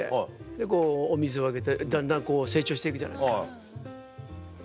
でこうお水をあげてだんだんこう成長して行くじゃないですか。